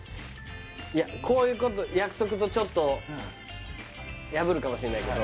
こういうこと約束とちょっと破るかもしれないけど